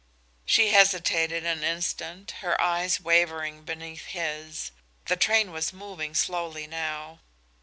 She hesitated an instant, her eyes wavering beneath his. The train was moving slowly now.